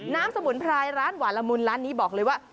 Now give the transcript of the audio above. สมุนไพรร้านหวานละมุนร้านนี้บอกเลยว่า